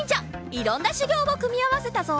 いろんなしゅぎょうをくみあわせたぞ。